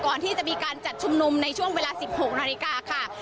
ก่อนที่จะมีการจัดชุมนุมในช่วงเวลา๑๖นาฬิกาค่ะ